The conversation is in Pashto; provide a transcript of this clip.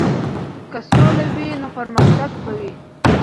که سوله وي نو پرمختګ به وي.